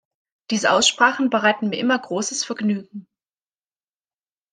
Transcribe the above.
Diese Aussprachen bereiten mir immer großes Vergnügen.